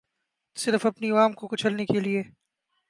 صرف اپنی عوام کو کچلنے کیلیے